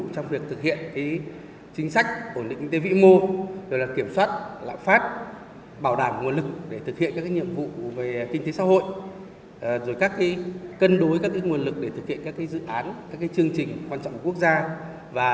bộ tài chính đã thực hiện các nhiệm vụ về kinh tế xã hội cân đối các nguồn lực để thực hiện các dự án chương trình quan trọng của quốc gia